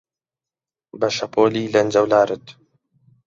بە شەپۆلی لەنجەولارت